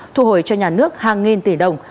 thu hồi cho nhà nước hàng nghìn tỷ đồng